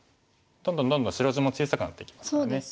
どんどんどんどん白地も小さくなっていきますからね。